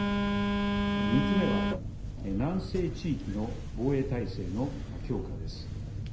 ３つ目は、南西地域の防衛体制の強化です。